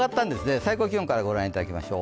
最高気温からご覧いただきましょう。